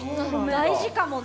大事かもな。